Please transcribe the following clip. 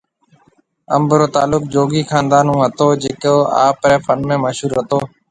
انب رو تعلق جوگي خاندان ھونھتو جڪو آپري فن ۾ مشھور ھتو